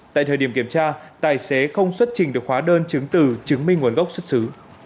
tại thời điểm kiểm tra tài xế không xuất trình được hóa đơn chứng từ chứng minh nguồn gốc xuất xứ